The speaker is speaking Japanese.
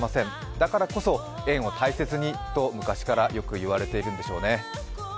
だからこそ、縁を大切にと昔からよく言われているんでしょうね。